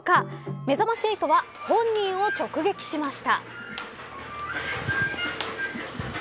めざまし８は本人を直撃しました。